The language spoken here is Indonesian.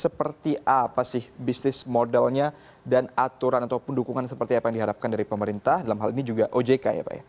seperti apa sih bisnis modelnya dan aturan ataupun dukungan seperti apa yang diharapkan dari pemerintah dalam hal ini juga ojk ya pak ya